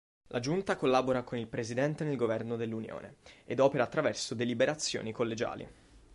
La giunta collabora con il presidente nel governo dell'unione ed opera attraverso deliberazioni collegiali.